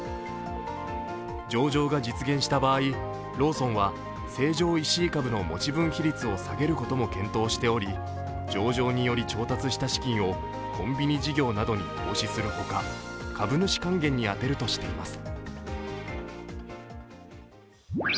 上場が実現した場合、ローソンは成城石井株の持ち分比率を下げることも検討しており、上場により調達した資金をコンビニ事業などに投資するほか株主還元に充てるとしています。